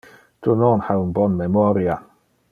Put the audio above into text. Tu non ha un bon memoria.